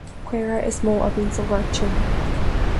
Caora is mó a bhíonn sa ghort sin.